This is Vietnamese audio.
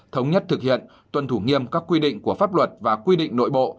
thống nhất thực hiện tuân thủ nghiêm các quy định của pháp luật và quy định nội bộ